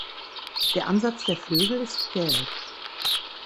Der Ansatz der Flügel ist gelb.